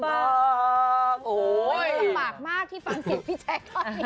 ลำบากมากที่ฟังเสียงพี่แชคเลย